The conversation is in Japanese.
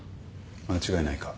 間違いないか？